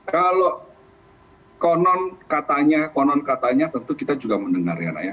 kalau konon katanya konon katanya tentu kita juga mendengar ya nak ya